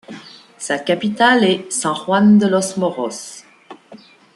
Sa capitale est San Juan de Los Morros.